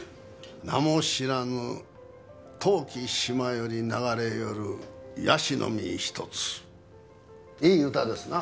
「名も知らぬ遠き島より流れ寄る椰子の実一つ」いい歌ですな。